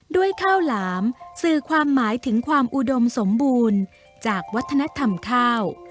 ด้วยข้าวหลามสื่อความหมายถึงความอุดมสมบูรณ์จากวัฒนธรรมข้าว